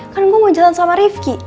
kan gue mau jalan sama rifki